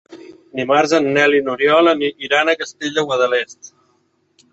Dimarts en Nel i n'Oriol iran al Castell de Guadalest.